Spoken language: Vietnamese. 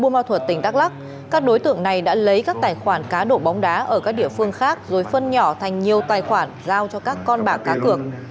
ma thuật tỉnh đắk lắc các đối tượng này đã lấy các tài khoản cá độ bóng đá ở các địa phương khác rồi phân nhỏ thành nhiều tài khoản giao cho các con bạc cá cược